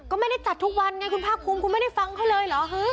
ก็ไม่ได้จัดทุกวันไงคุณภาคภูมิคุณไม่ได้ฟังเขาเลยเหรอ